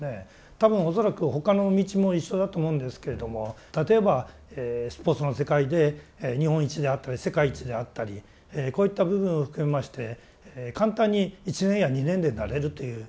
多分恐らく他の道も一緒だと思うんですけれども例えばスポーツの世界で日本一であったり世界一であったりこういった部分を含めまして簡単に１年や２年でなれるというわけではない。